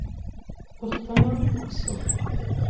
پوښتنه وسوه.